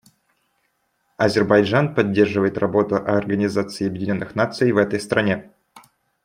Азербайджан поддерживает работу Организации Объединенных Наций в этой стране.